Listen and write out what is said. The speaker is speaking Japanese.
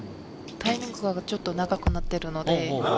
タイミングがちょっと長くなってるので。